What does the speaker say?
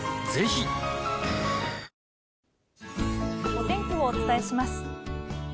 お天気をお伝えします。